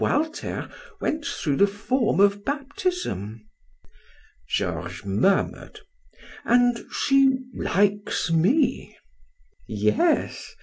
Walter went through the form of baptism." Georges murmured: "And she likes me " "Yes.